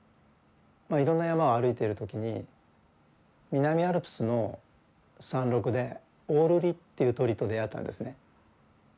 いろんな山を歩いている時に南アルプスの山麓でオオルリっていう鳥と出会ったんですね。